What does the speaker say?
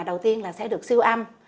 đầu tiên là sẽ được siêu âm